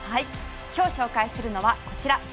今日紹介するのはこちら。